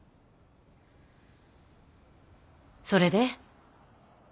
それで？